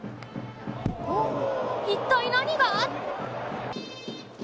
一体何が？